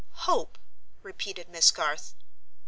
"Hope?" repeated Miss Garth.